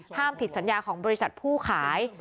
ห้ามผิดสัญญาของบริษัทผู้ขาย